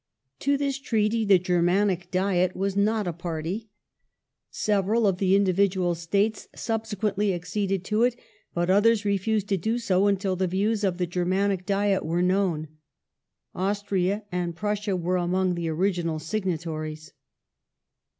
^ To this treaty the Germanic Diet was not a party ; several of the individual States subsequently acceded to it, but others refused to do so until the views of the Germanic Diet were known, Austria and Prussia were among the original signatories.